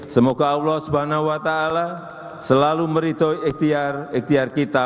semoga allah swt selalu meritau ikhtiar ikhtiar kita